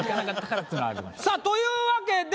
さぁというわけで。